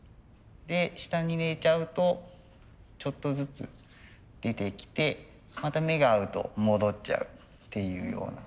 で下に寝ちゃうとちょっとずつ出てきてまた目が合うと戻っちゃうっていうような。